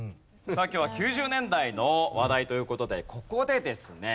さあ今日は９０年代の話題という事でここでですね